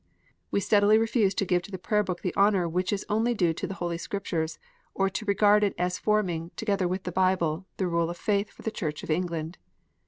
We steadily refuse to give to the Prayer book the honour which is only due to the Holy Scriptures, or to regard it as forming, together with the Bible, the rule of faith for the Church of England.